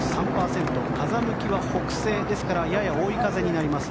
風向きは北西ですからやや追い風になります。